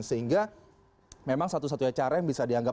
sehingga memang satu satunya cara yang bisa dianggap